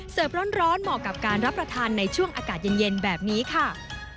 ร้อนเหมาะกับการรับประทานในช่วงอากาศเย็นแบบนี้ค่ะ